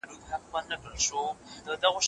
کله په خبرو اترو کي سوء تفاهم رامنځته کیږي؟